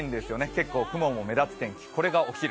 結構雲も目立つ天気、これがお昼。